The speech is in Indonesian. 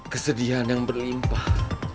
kesedihan yang berlimpah